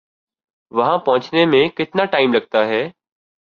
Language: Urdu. وہاں پہنچنے میں کتنا ٹائم لگتا ہے؟